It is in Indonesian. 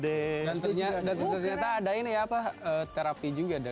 dan ternyata ada ini ya apa terapi juga dari